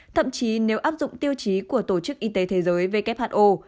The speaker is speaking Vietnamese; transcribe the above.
thậm chí nếu áp dụng tiêu chí của tổ chức y tế thế giới who